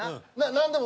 何でも。